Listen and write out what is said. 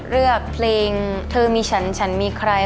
เลือกเพลงเธอมีฉันฉันมีใคร